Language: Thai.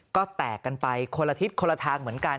ก็แตกกันไปคนละทิศคนละทางเหมือนกัน